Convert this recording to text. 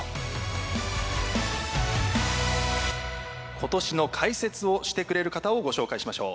今年の解説をしてくれる方をご紹介しましょう。